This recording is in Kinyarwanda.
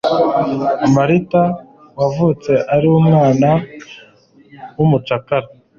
marita, wavutse ari umwana w'umucakara